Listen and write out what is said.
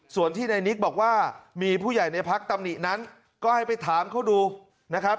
ส่วนที่ในนิกบอกว่ามีผู้ใหญ่ในพักตำหนินั้นก็ให้ไปถามเขาดูนะครับ